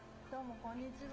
こんにちは。